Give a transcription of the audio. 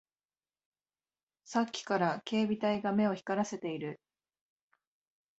さっきから警備隊が目を光らせている